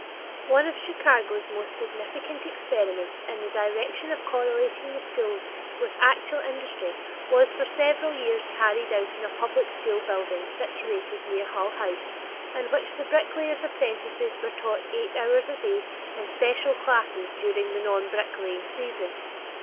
One of Chicago's most significant experiments in the direction of correlating the schools with actual industry was for several years carried on in a public school building situated near Hull House, in which the bricklayers' apprentices were taught eight hours a day in special classes during the non bricklaying season.